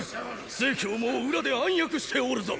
成も裏で暗躍しておるぞ！